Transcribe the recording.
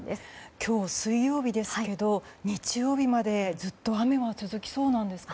今日は水曜日ですけど日曜日までずっと雨が続きそうなんですか？